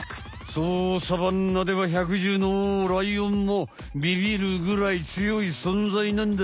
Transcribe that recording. そうサバンナではひゃくじゅうのおうライオンもビビるぐらい強いそんざいなんだ。